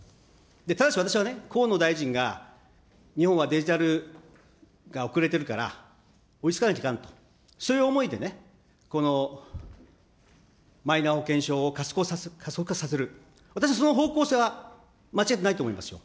ただし私はね、河野大臣が日本はデジタルが遅れてるから、追いつかなきゃいかんと、そういう思いでね、このマイナ保険証を加速化させる、私はその方向性は、間違ってないと思いますよ。